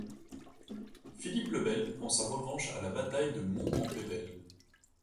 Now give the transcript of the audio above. Philippe le bel prend sa revanche à la bataille de Mons-en-Pévèle.